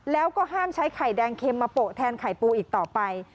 แล้วก็ห้ามใช้ไข่แดงเข็มมาโปะแทนไข่ปูอีกต่อไป